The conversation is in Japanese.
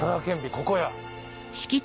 ここや。